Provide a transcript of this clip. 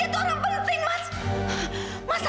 itu orang penting mas